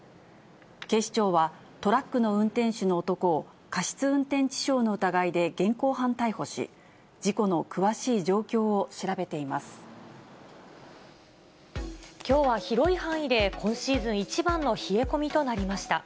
警視庁は、トラックの運転手の男を過失運転致傷の疑いで現行犯逮捕し、きょうは広い範囲で今シーズン一番の冷え込みとなりました。